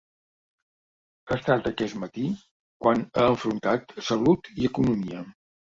Ha estat aquest matí, quan ha enfrontat salut i economia.